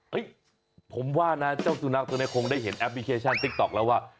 ผมว่านะเจ้าสุนัขตัวนี้คงได้เห็นแอปพลิเคชันติ๊กต๊อกแล้วว่า